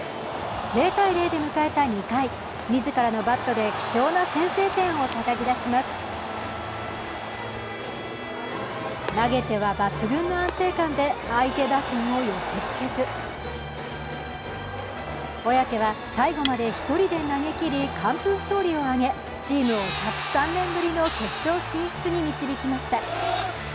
０−０で迎えた２回、自らのバットで貴重な先制点をたたき出します投げては抜群の安定感で相手を寄せ付けず小宅は最後まで１人で投げ切り、完封勝利を挙げチームを１０３年ぶりの決勝進出に導きました。